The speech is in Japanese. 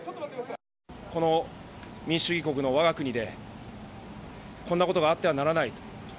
この民主主義国の我が国でこんなことがあってはならない。